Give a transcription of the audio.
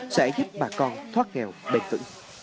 sẽ giúp bà con thoát nghèo bền tử